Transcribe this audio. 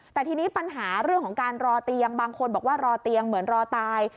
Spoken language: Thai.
แต่ทีนี้ปัญหาเรื่องของการรอเตียงบางคนบอกว่ารอเตียงเหมือนรอตาย